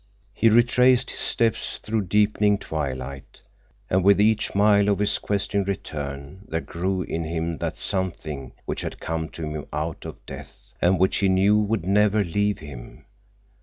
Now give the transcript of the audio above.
He retraced his steps through deepening twilight, and with each mile of his questing return there grew in him that something which had come to him out of death, and which he knew would never leave him.